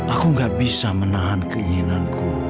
aku gak bisa menahan keinginanku